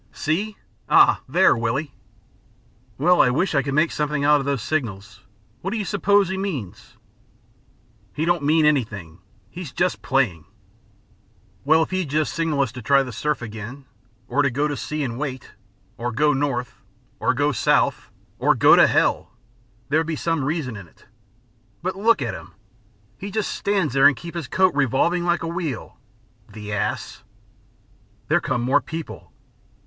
See? Ah, there, Willie!" "Well, I wish I could make something out of those signals. What do you suppose he means?" "He don't mean anything. He's just playing." "Well, if he'd just signal us to try the surf again, or to go to sea and wait, or go north, or go south, or go to hell there would be some reason in it. But look at him. He just stands there and keeps his coat revolving like a wheel. The ass!" "There come more people."